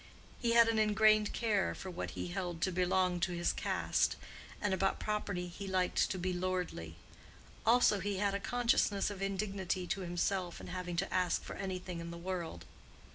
He had an ingrained care for what he held to belong to his caste, and about property he liked to be lordly; also he had a consciousness of indignity to himself in having to ask for anything in the world.